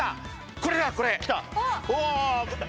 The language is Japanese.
これだこれ！来た！